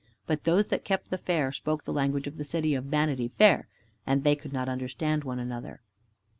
But those that kept the fair spoke the language of the city of Vanity Fair, and they could not understand one another.